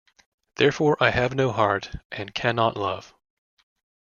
Therefore I have no heart, and cannot love.